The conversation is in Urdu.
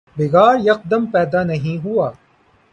بگاڑ یکدم پیدا نہیں ہوا۔